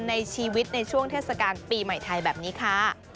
ในชีวิตในช่วงเทศกาลปีใหม่ไทยแบบนี้ค่ะ